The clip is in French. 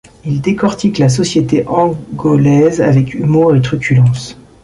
Il décortique la société angolaise avec humour et truculence.